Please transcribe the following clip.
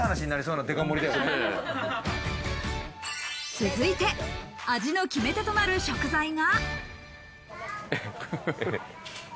続いて味の決め手となる食材が。